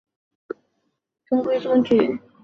评价机构对本作给出的打分可谓中规中矩。